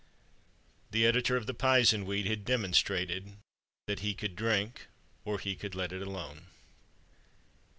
The editor of the Pizenweed had demonstrated at he could drink or he could let it alone.